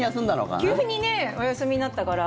急にお休みになったから。